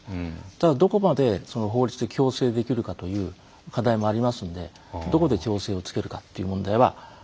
ただどこまで法律で強制できるかという課題もありますのでどこで調整をつけるかという問題はある。